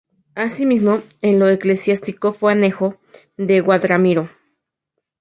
Asimismo, en lo eclesiástico fue anejo de Guadramiro.